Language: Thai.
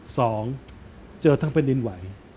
สองเจอทั้งแผ่นดินไหว